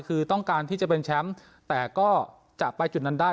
คือต้องการที่จะเป็นแชมป์แต่ก็จะไปจุดนั้นได้